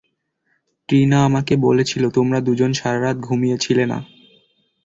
ট্রিনা আমাকে বলেছিল তোমরা দুজন সারা রাত ঘুমিয়েছিলে না।